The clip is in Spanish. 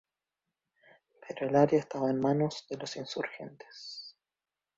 Pero el área estaba en manos de los insurgentes.